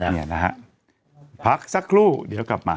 เนี่ยนะฮะพักสักครู่เดี๋ยวกลับมา